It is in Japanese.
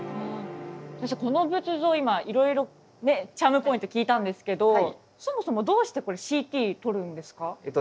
この仏像今いろいろチャームポイント聞いたんですけどそもそもどうしてこれＣＴ撮るんですか？